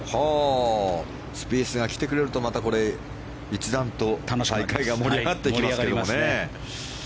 スピースが来てくれるとまた一段と大会が盛り上がってきますね。